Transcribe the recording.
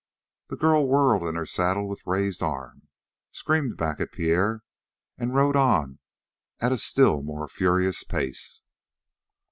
The girl whirled in her saddle with raised arm, screamed back at Pierre, and rode on at a still more furious pace.